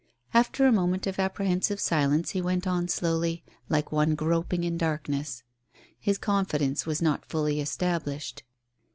After a moment of apprehensive silence he went on slowly, like one groping in darkness. His confidence was not fully established.